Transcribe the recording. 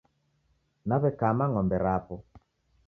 Naw'ekama ng'ombe rapo.